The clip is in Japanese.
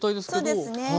そうですね。